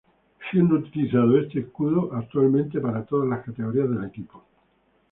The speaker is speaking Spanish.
Siendo este escudo utilizado actualmente para todas las categorías del equipo.